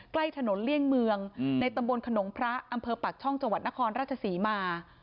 ใกล้ถนนเลี่ยงเมืองในตำบลขนงพระอำเภอปากช่องจังหวัดนครราชศรีมา